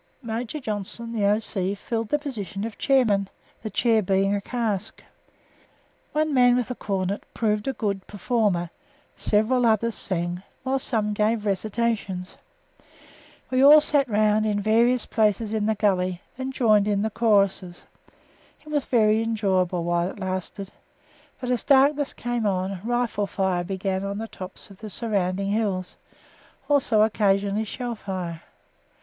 Major Johnston, the O.C., filled the position of chairman, the chair being a cask. One man with a cornet proved a good performer; several others sang, while some gave recitations. We all sat round in various places in the gully, and joined in the choruses. It was very enjoyable while it lasted; but, as darkness came on, rifle fire began on the tops of the surrounding hills also, occasionally, shell fire.